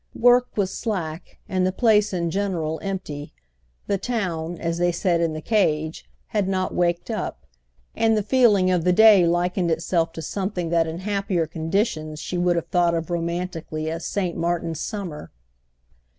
Work was slack and the place in general empty; the town, as they said in the cage, had not waked up, and the feeling of the day likened itself to something than in happier conditions she would have thought of romantically as Saint Martin's summer.